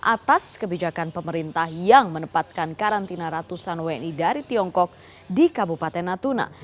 atas kebijakan pemerintah yang menempatkan karantina ratusan wni dari tiongkok di kabupaten natuna